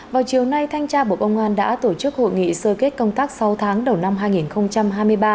vào chiều nay thanh tra bộ công an đã tổ chức hội nghị sơ kết công tác sáu tháng đầu năm hai nghìn hai mươi ba